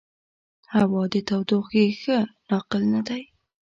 هوا د تودوخې ښه ناقل نه دی.